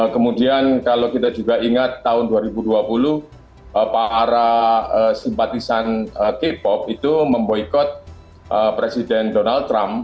kemudian kalau kita juga ingat tahun dua ribu dua puluh para simpatisan k pop itu memboykot presiden donald trump